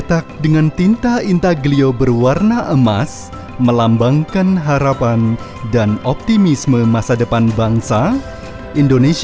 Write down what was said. ustara melangkati tinta intag beslub yang berwarna emas dan memiliki harapan dan optimisme pasaran bangsa indonesia